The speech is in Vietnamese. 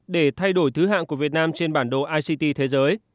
để thay đổi thứ hạng của việt nam trên bản đồ ict thế giới